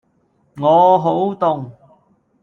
我好凍